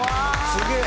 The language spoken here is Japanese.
すげえ！